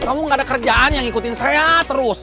kamu gak ada kerjaan yang ngikutin saya terus